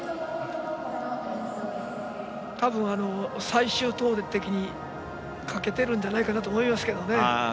最終投てきにかけているんじゃないかなと思いますけどね。